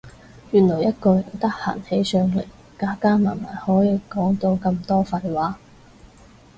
原來一個人得閒起上嚟加加埋埋可以講到咁多廢話